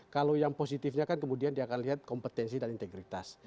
kalau yang positifnya kan kemudian dia akan lihat kompetensi dan integritas